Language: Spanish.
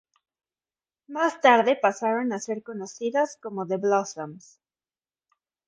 Más tarde pasaron a ser conocidas como The Blossoms.